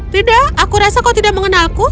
tidak aku rasa kau tidak mengenalku